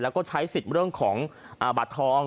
แล้วก็ใช้สิทธิ์เรื่องของบัตรทอง